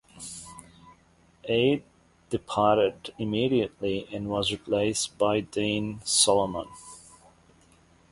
Eade departed immediately and was replaced by Dean Solomon.